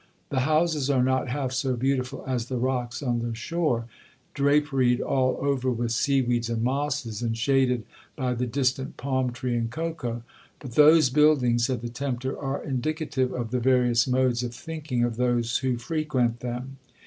The houses are not half so beautiful as the rocks on the shore, draperied all over with seaweeds and mosses, and shaded by the distant palm tree and cocoa.'—'But those buildings,' said the tempter, 'are indicative of the various modes of thinking of those who frequent them.